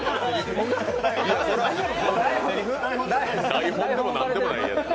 台本でも何でもないやつ。